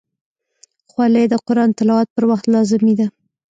خولۍ د قرآن تلاوت پر وخت لازمي ده.